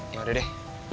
ya udah deh